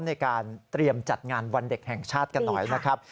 ในการเตรียมจัดงานวันเด็กแห่งชาติกันหน่อยนะครับ